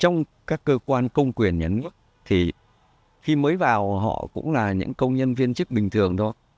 trong các cơ quan công quyền nhà nước thì khi mới vào họ cũng là những công nhân viên chức bình thường thôi